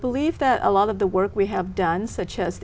vì vậy chắc chắn